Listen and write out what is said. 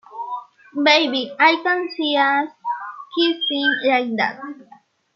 Baby I can see us kissing like that.